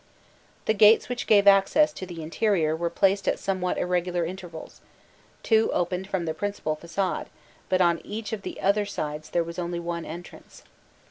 The gates which gave access to the interior were placed at somewhat irregular intervals: two opened from the principal facade, but on each of the other sides there was only one entrance.